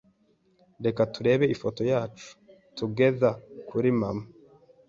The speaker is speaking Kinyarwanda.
Reka turebe ifoto yacu togehter kuri mama.